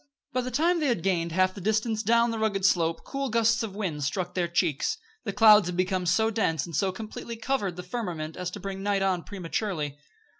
By the time they had gained half the distance down the rugged slope cool gusts of wind struck their cheeks; the clouds had become so dense and so completely covered the firmament as to bring night on prematurely.